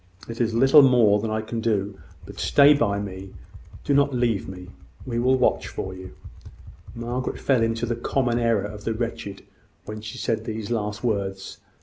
It is little I can do; but stay by me: do not leave me. I will watch for you." Margaret fell into the common error of the wretched, when she said these last words.